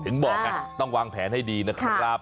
เรียกถึงวางแผนให้ดีนะคะ